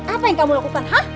apa yang kamu lakukan